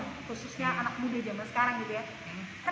dan teman teman khususnya anak muda zaman sekarang gitu ya